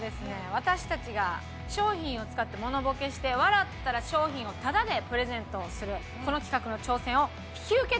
私たちが商品を使ってモノボケして笑ったら商品をタダでプレゼントをするこの企画の挑戦を。